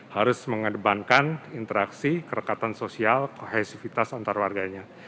harus mengedepankan interaksi kerekatan sosial kohesivitas antar warganya